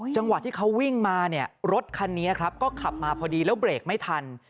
จังหวะที่เขาวิ่งมาเนี่ยรถคันนี้ครับก็ขับมาพอดีแล้วเบรกไม่ทัน